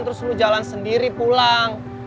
terus suruh jalan sendiri pulang